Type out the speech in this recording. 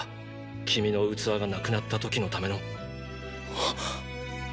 君の器がなくなった時のための。っ！